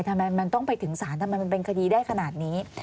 ทำไมมันต้องไปถึงศาลทำไมมันเป็นคดีได้ขนาดนี้